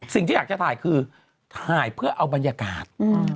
สิ่งที่อยากจะถ่ายคือถ่ายเพื่อเอาบรรยากาศ